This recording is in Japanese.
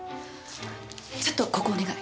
ちょっとここお願い。